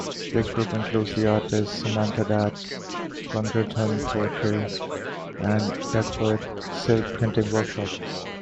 This group includes the artist Samantha Dadd, Conderton Pottery and Beckford Silk-printing workshop.